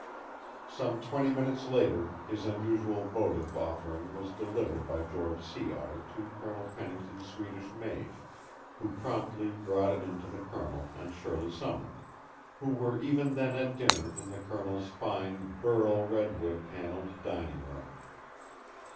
Some twenty minutes later his unusual votive offering was delivered by George Sea Otter to Colonel Pennington's Swedish maid, who promptly brought it in to the Colonel and Shirley Sumner, who were even then at dinner in the Colonel's fine burl redwood panelled dining room.